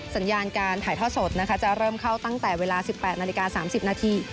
สัญญาณการถ่ายทอดสดนะคะจะเริ่มเข้าตั้งแต่เวลา๑๘นาฬิกา๓๐นาที